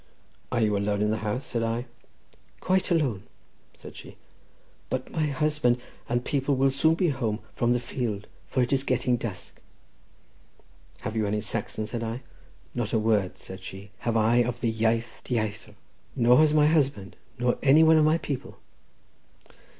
"Are you alone in the house?" said I. "Quite alone," said she; "but my husband and people will soon be home from the field, for it is getting dusk." "Have you any Saxon?" said I. "Not a word," said she, "have I of the iaith dieithr, nor has my husband, nor any one of my people."